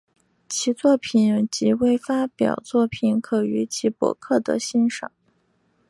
其作品及未发表作品可于其博客得于欣赏。